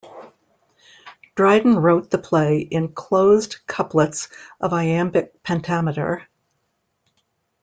Dryden wrote the play in closed couplets of iambic pentameter.